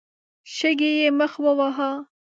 شګې يې مخ وواهه.